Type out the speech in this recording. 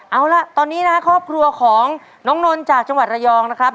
เอาล่ะตอนนี้นะครับครอบครัวของน้องนนท์จากจังหวัดระยองนะครับ